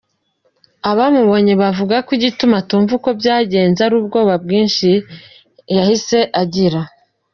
Abamubonye bavuga ko igituma atumva uko byagenze ari ubwoba bwinshi yahise agira.